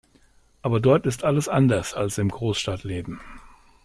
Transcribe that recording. Aber dort ist alles anders als im Großstadtleben.